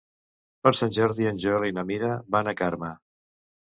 Per Sant Jordi en Joel i na Mira van a Carme.